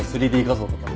３Ｄ画像とか。